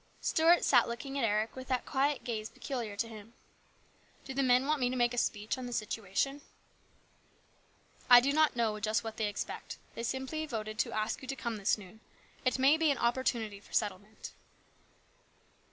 Stuart sat looking at Eric with that quiet gaze peculiar to him. "Do the men want me to make a speech on the situation ?"" I do not know just what they expect. They simply voted to ask you to come this noon. It may be an opportunity for a settlement."